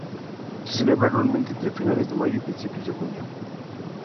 Se celebra anualmente entre finales de mayo y principios de junio.